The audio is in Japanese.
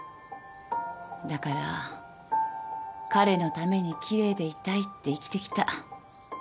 だから彼のためにきれいでいたいって生きてきた。